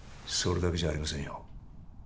それだけじゃありませんよ